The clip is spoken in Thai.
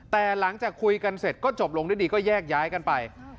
แต่หลังจากคุยกันเสร็จก็จบลงด้วยดีก็แยกย้ายกันไป